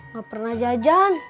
gak pernah jajan